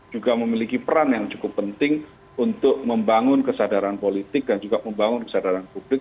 juga memiliki peran yang cukup penting untuk membangun kesadaran politik dan juga membangun kesadaran publik